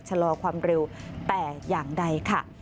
ชะลอความเร็วแต่อย่างใดค่ะ